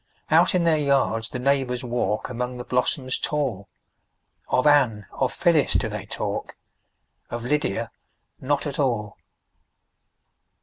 Out in their yards the neighbors walk, Among the blossoms tall; Of Anne, of Phyllis, do they talk, Of Lydia not at all.